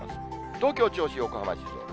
東京、銚子、横浜、静岡。